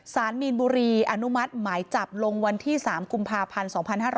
สารมีนบุรีอนุมัติหมายจับลงวันที่๓กุมภาพันธ์๒๕๕๙